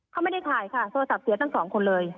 เขาไม่ได้ถ่ายค่ะโทรศัพท์เสียทั้งสองคนเลย